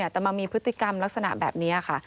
แต่มันมีพฤติกรรมลักษณะแบบนี้ค่ะ